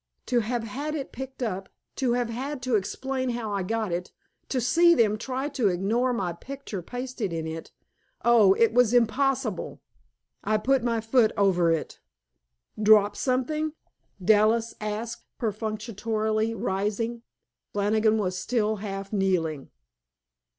To have had it picked up, to have had to explain how I got it, to see them try to ignore my picture pasted in it oh, it was impossible! I put my foot over it. "Drop something?" Dallas asked perfunctorily, rising. Flannigan was still half kneeling.